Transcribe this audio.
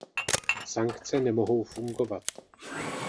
Sankce nemohou fungovat.